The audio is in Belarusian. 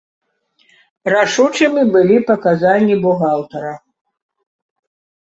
Рашучымі былі паказанні бухгалтара.